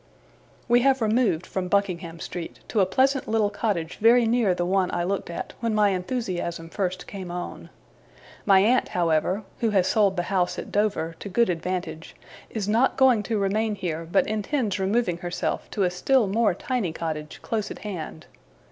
We have removed, from Buckingham Street, to a pleasant little cottage very near the one I looked at, when my enthusiasm first came on. My aunt, however (who has sold the house at Dover, to good advantage), is not going to remain here, but intends removing herself to a still more tiny cottage close at hand.